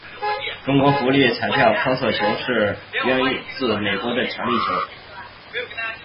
中国福利彩票的双色球游戏就是源自美国的强力球。